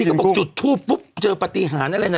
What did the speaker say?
เขาบอกจุดทูปปุ๊บเจอปฏิหารอะไรนะ